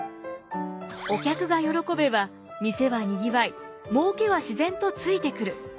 お客が喜べば店は賑わいもうけは自然とついてくる。